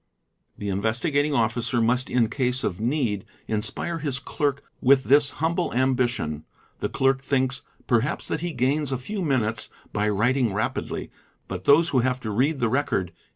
The Investigating Officer must in case of need inspire his cler k with this humble ambition ; the clerk thinks perhaps that he gains ¢ few minutes by writing rapidly; but those who have to read the record.